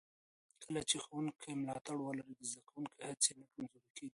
کله چې ښوونکي ملاتړ ولري، د زده کوونکو هڅې نه کمزورې کېږي.